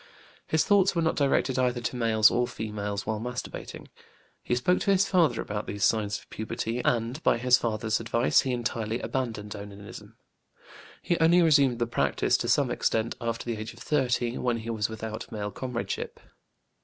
His thoughts were not directed either to males or females while masturbating. He spoke to his father about these signs of puberty, and by his father's advice he entirely abandoned onanism; he only resumed the practice, to some extent, after the age of 30, when he was without male comradeship.